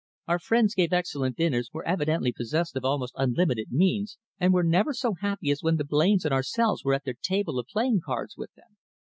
Our friends gave excellent dinners, were evidently possessed of almost unlimited means, and were never so happy as when the Blains and ourselves were at their table or playing cards with them.